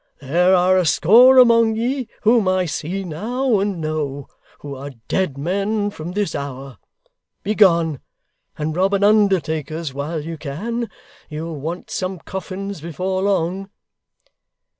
There are a score among ye whom I see now and know, who are dead men from this hour. Begone! and rob an undertaker's while you can! You'll want some coffins before long.